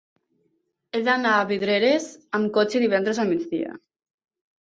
He d'anar a Vidreres amb cotxe divendres al migdia.